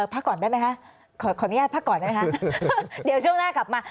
พักก่อนได้ไหมคะขออนุญาตพักก่อนนะคะเดี๋ยวช่วงหน้ากลับมา